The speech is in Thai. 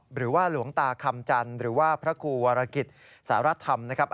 หรือว่าหลวงตาคำจันทร์หรือว่าพระครูวรกิจสารธรรมนะครับ